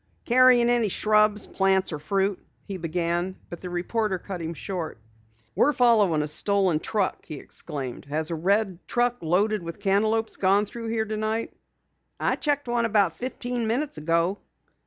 "Carrying any shrubs, plants or fruit?" he began but the reporter cut him short. "We're following a stolen truck!" he exclaimed. "Has a red truck loaded with cantaloupes gone through here tonight?" "I checked one about fifteen minutes ago."